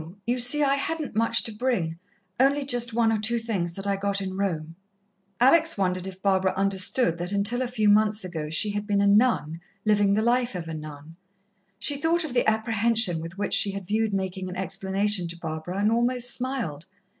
You see, I hadn't much to bring only just one or two things that I got in Rome." Alex wondered if Barbara understood that until a few months ago she had been a nun, living the life of a nun. She thought of the apprehension with which she had viewed making an explanation to Barbara, and almost smiled.